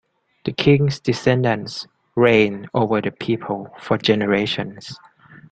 The king’s descendants reigned over the people for generations.